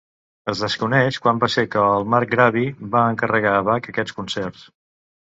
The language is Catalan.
Es desconeix quan va ser que el marcgravi va encarregar a Bach aquests concerts.